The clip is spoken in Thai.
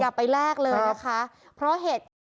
อย่าไปแลกเลยนะคะ